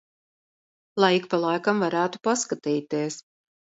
Lai ik pa laikam varētu paskatīties.